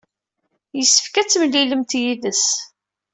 Yessefk ad temlilemt yid-s.